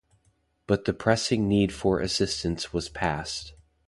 But the pressing need for assistance was past.